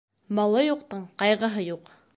Малы юҡтың ҡайғыһы юҡ.